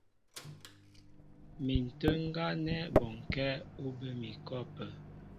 Mi ǹtə́ə́ ŋgá nɛ́ bɔnkɛ́ ú bə mi ikɔ ápə́.